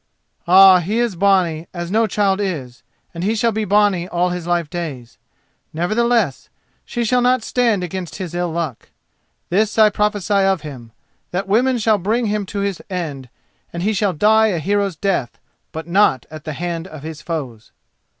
"Ah, he is bonny as no child is, and he shall be bonny all his life days. Nevertheless, she shall not stand against his ill luck. This I prophesy of him: that women shall bring him to his end, and he shall die a hero's death, but not at the hand of his foes."